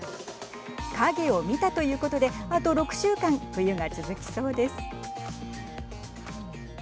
影を見たということであと６週間、冬が続きそうです。